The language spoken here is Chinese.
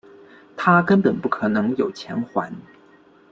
他根本不可能有钱还